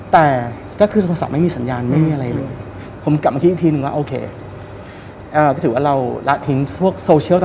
แต่ก็คือโทรศัพท์ไม่มีสัญญาณไม่มีอะไรเลย